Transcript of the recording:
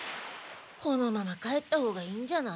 このまま帰ったほうがいいんじゃない？